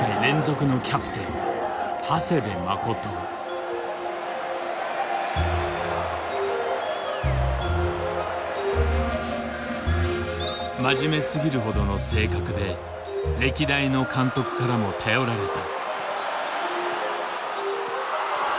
ワールドカップの舞台で真面目すぎるほどの性格で歴代の監督からも頼られた。